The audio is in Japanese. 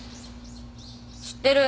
知ってる。